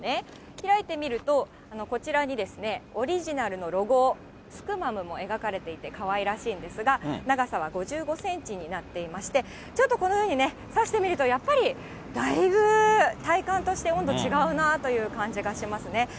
開いてみると、こちらにオリジナルのロゴ、スクマムも描かれていて、かわいらしいんですが、長さは５５センチになっていまして、ちょっとこのようにね、差してみるとやっぱりだいぶ体感として、温度違うなという感じがしますね。